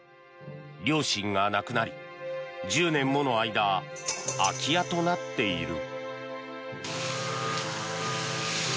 両親が亡くなり、１０年もの間空き家となっている。